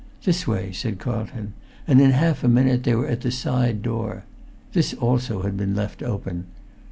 "This way," said Carlton; and in half a minute they were at the side door. This also had been left open.